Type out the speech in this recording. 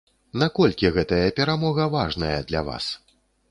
Наколькі гэтая перамога важная для вас?